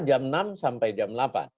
jam enam sampai jam delapan